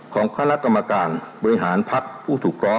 ของคณะตรรมการ